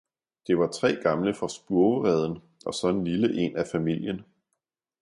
det var tre gamle fra spurvereden og så en lille en af familien.